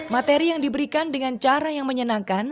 materi yang diberikan dengan cara yang menyenangkan